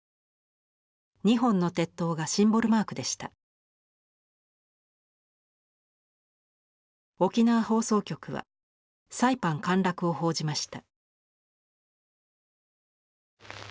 ２本の鉄塔がシンボルマークでした沖縄放送局はサイパン陥落を報じました